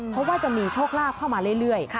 เพราะว่าจะมีโชคลาภเข้ามาเรื่อย